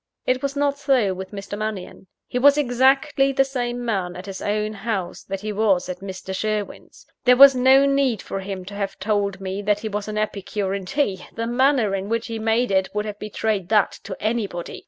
It was not so with Mr. Mannion. He was exactly the same man at his own house that he was at Mr. Sherwin's. There was no need for him to have told me that he was an epicure in tea; the manner in which he made it would have betrayed that to anybody.